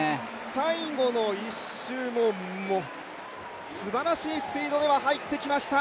最後の１周もすばらしいスピードで入ってきました。